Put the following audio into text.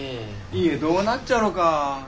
家どうなっちゃろか？